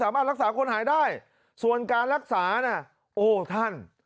สามารถรักษาคนหายได้ส่วนการรักษาโอ้ท่าน